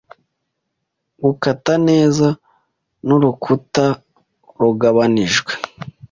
gukata neza nurukuta rugabanijwe